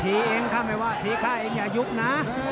ทีเองค่ะไม่ว่าทีข้าเองอย่ายุบนะ